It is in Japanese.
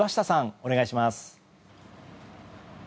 お願いします。